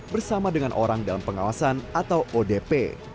bersama dengan orang dalam pengawasan atau odp